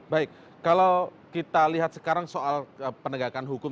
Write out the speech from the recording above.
baik kalau kita lihat sekarang soal penegakan hukum